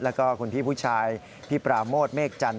แล้วก็คุณพี่ผู้ชายพี่ปราโมทเมฆจันท